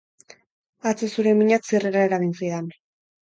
Atzo zure minak zirrara eragin zidan.